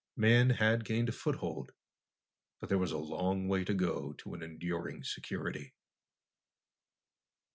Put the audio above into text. Man had gained a foothold, but there was a long way to go to an enduring security.